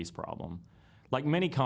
apa pendapat anda